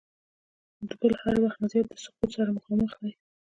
د بل هر وخت نه زیات د سقوط سره مخامخ دی.